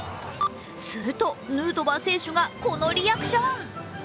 するとヌートバー選手がこのリアクション。